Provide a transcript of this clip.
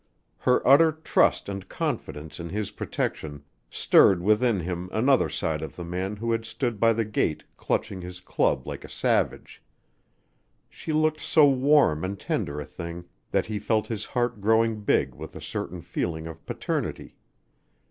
Her utter trust and confidence in his protection stirred within him another side of the man who had stood by the gate clutching his club like a savage. She looked so warm and tender a thing that he felt his heart growing big with a certain feeling of paternity.